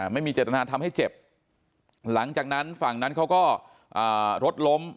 ไม่มีเจตนาทำให้เจ็บหลังจากนั้นฝั่งนั้นเขาก็รถล้ม